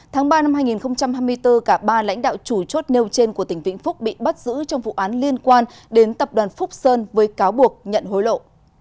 tháng ba năm hai nghìn hai mươi bốn cả ba lãnh đạo chủ chốt nêu trên của tỉnh vĩnh phúc bị bắt giữ trong vụ án liên quan đến tập đoàn phúc sơn với cáo buộc nhận hối lộ